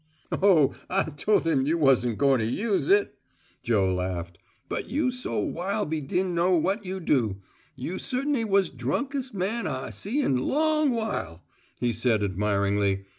"Oh, I tole him you wasn' goin' use it!" Joe laughed. "But you so wile be din' know what you do. You cert'n'y was drunkes' man I see in long while," he said admiringly.